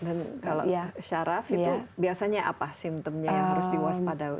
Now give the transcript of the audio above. dan kalau syaraf itu biasanya apa simptomnya yang harus diwaspadai orang tua